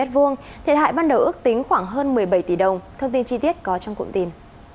thiệt hại ban đầu ước tính khoảng hơn một mươi bảy tỷ đồng thông tin chi tiết có trong cụm tin